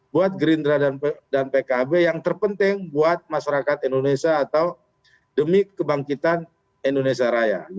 buat gerindra dan pkb yang terpenting buat masyarakat indonesia atau demi kebangkitan indonesia raya